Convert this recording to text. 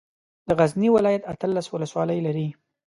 د غزني ولايت اتلس ولسوالۍ لري.